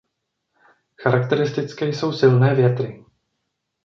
Charakteristické jsou silné větry.